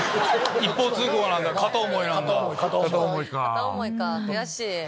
片思いか悔しい！